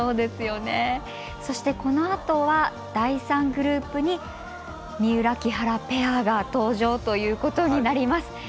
そして、このあとは第３グループに三浦、木原ペアが登場ということになります。